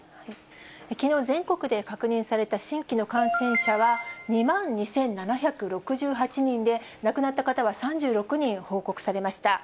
きのう、全国で確認された新規の感染者は２万２７６８人で、亡くなった方は３６人報告されました。